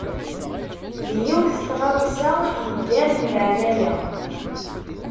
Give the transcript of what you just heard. D yiwet n tɣawsa yeggaren leɛnaya.